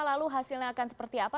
lalu hasilnya akan seperti apa